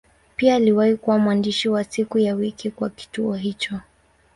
Pia aliwahi kuwa mwandishi wa siku ya wiki kwa kituo hicho.